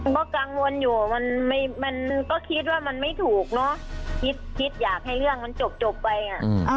ก็กังวลอยู่มันก็คิดว่ามันไม่ถูกเนอะคิดคิดอยากให้เรื่องมันจบไปอ่ะ